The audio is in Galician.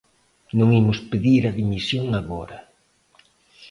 Non imos pedir a dimisión agora.